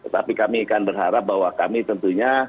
tapi kami akan berharap bahwa kami tentunya